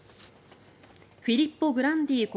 フィリッポ・グランディ